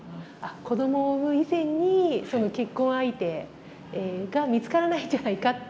子どもを産む以前に結婚相手が見つからないんじゃないかっていう。